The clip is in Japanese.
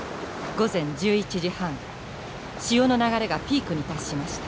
午前１１時半潮の流れがピークに達しました。